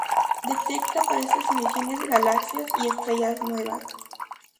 Detecta por estas emisiones galaxias y estrellas nuevas.